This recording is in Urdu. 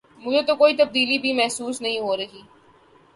مجھے تو کوئی تبدیلی بھی محسوس نہیں ہو رہی ہے۔